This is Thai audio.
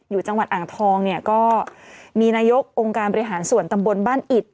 จังหวัดอ่างทองเนี่ยก็มีนายกองค์การบริหารส่วนตำบลบ้านอิด